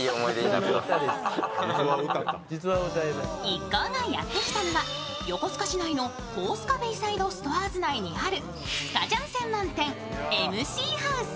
一行がやってきたのは横須賀市内のコースカベイサイドストアーズ内にあるスカジャン専門店、ＭＣハウス。